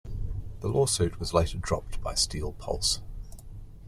The lawsuit was later dropped by Steel Pulse.